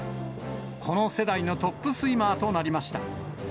この世代のトップスイマーとなりました。